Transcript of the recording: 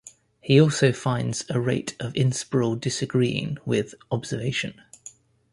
He also finds a rate of inspiral disagreeing with observation.